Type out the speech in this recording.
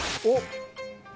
おっ！